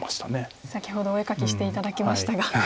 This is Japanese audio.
先ほどお絵かきして頂きましたが。